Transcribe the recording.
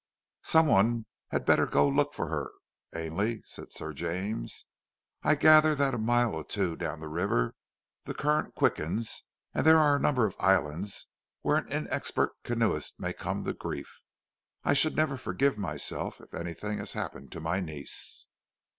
"Some one had better go to look for her, Ainley," said Sir James. "I gather that a mile or two down the river the current quickens, and that there are a number of islands where an inexpert canoeist may come to grief. I should never forgive myself if anything has happened to my niece."